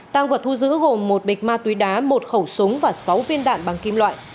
tăng vật thu giữ gồm một bịch ma túy đá một khẩu súng và sáu viên đạn bằng kim loại